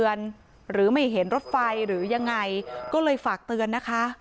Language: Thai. หรือไม่เห็นรถไฟหรือยังไงก็เลยฝากเตือนนะคะ